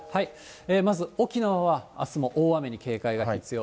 まず、沖縄はあすも大雨に警戒が必要。